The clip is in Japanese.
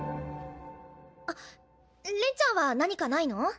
あっ恋ちゃんは何かないの？